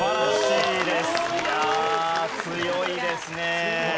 いや強いですね。